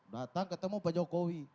datang ketemu pak jokowi